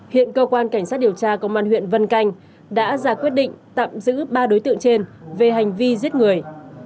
hiện cơ quan cảnh sát điều tra công an huyện vân canh đã ra quyết định tạm giữ ba đối tượng trên về hành vi giết người